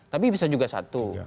tapi bisa juga satu